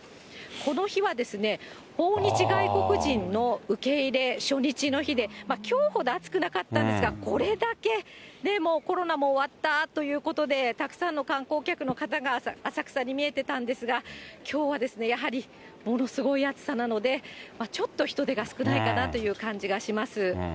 この日は、訪日外国人の受け入れ初日の日で、きょうほど暑くなかったんですが、これだけ、コロナも終わったということで、たくさんの観光客の方が浅草に見えていたんですが、きょうはやはり、ものすごい暑さなので、ちょっと人出が少ないかなという感じがします。